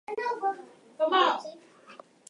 The new owner was Poul Eggers.